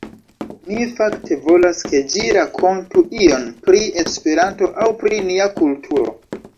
Mi fakte volas ke ĝi rankontu ion pri Esperanto aŭ pri nia kulturo.